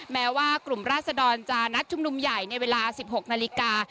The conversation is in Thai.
แม้ว่ากลุ่มราศดรจะนัดชุมนุมใหญ่ในเวลา๑๖นาฬิกา